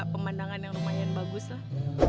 pemandangan yang lumayan bagus lah